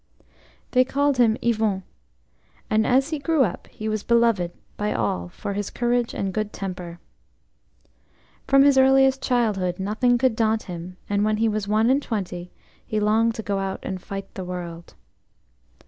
They called him "Yvon," and as he grew up he was beloved by all for his courage and good temper. From his earliest childhood nothing could daunt him, and when he was one and twenty he longed to go out and fight the world.